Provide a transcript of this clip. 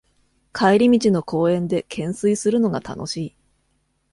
帰り道の公園でけんすいするのが楽しい